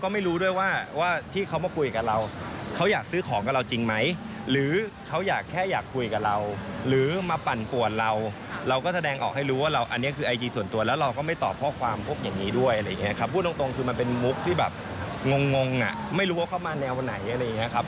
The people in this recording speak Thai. ไม่รู้ว่าเข้ามาแนวไหนอะไรอย่างนี้ครับ